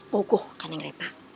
pokok kan yang repa